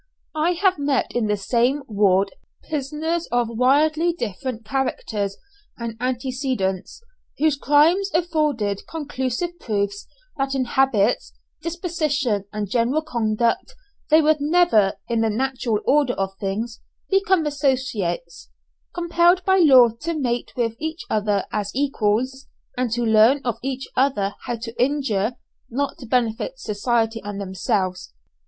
I have met in the same ward prisoners of widely different characters and antecedents, whose crimes afforded conclusive proofs that in habits, disposition, and general conduct, they would never, in the natural order of things, become associates, compelled by law to mate with each other as equals, and to learn of each other how to injure, not how to benefit society and themselves.